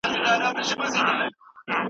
د ډلو ترمنځ بېباوري مه زیاتوه.